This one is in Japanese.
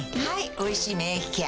「おいしい免疫ケア」